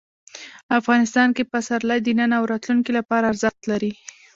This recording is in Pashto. افغانستان کې پسرلی د نن او راتلونکي لپاره ارزښت لري.